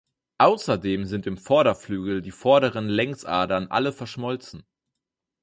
Außerdem sind im Vorderflügel die vorderen Längsadern alle verschmolzen.